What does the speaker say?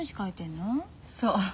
そう。